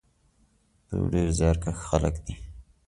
دوی ډېر زیارکښ خلک دي.